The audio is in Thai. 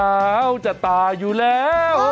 แล้วจะตายอยู่แล้ว